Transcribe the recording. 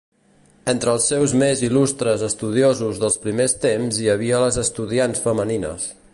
Entre els seus més il·lustres estudiosos dels primers temps hi havia les estudiants femenines.